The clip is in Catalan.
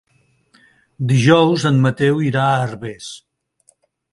Dijous en Mateu irà a Herbers.